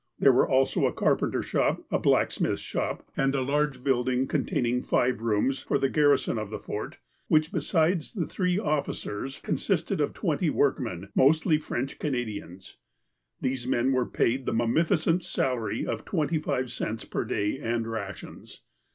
There were also a carpenter shop, a blacksmith's shop, and a large building, containing five rooms, for the gar rison of the Fort, which, besides the three officers, con sisted of twenty workmen, mostly French Canadians. These men were paid the munificent (!) salary of twenty five cents per day and rations.